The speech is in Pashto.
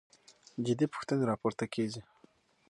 جدي پوښتنې راپورته کېږي.